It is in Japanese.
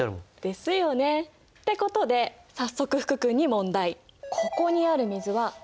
ですよね。ってことで早速福くんに問題！